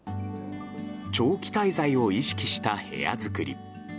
長期滞在を意識した部屋作り。